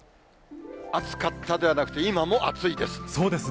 暑かったではなく、今も暑いそうですね。